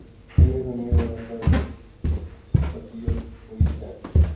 انہیں ضمیر اور عقل ودیعت ہوئی ہی